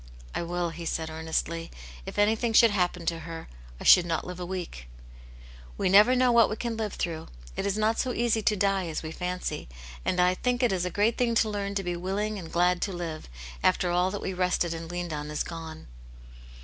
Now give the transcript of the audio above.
" I will," he said earnestly. " If anything should happen to her, I should not live a week." " We never know what we can live through. It is not so easy to die as we (atvcy • KtA \ >icwvc^ >x \^'^ 1S8 AitJit jtivie^s Hero, great thing to leairn to be willing and glad to live, after all that we rested and leaned on is gone."